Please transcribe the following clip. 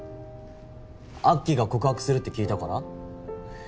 アッキーが告白するって聞いたから？